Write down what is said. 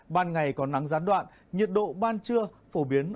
ban ngày có nắng gián đoạn nhiệt độ ban trưa phổ biến